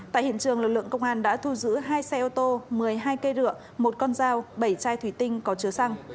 tại hiện trường lực lượng công an đã thu giữ hai xe ô tô một mươi hai cây rượu một con dao bảy chai thủy tinh có chứa xăng